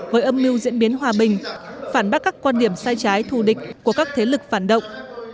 với âm mưu diễn biến hòa bình phản bác các quan điểm sai trái thù địch của các thế lực phản động